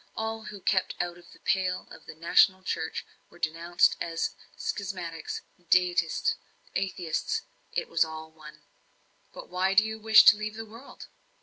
All who kept out of the pale of the national church were denounced as schismatics, deists, atheists it was all one. "But why do you wish to leave the world?"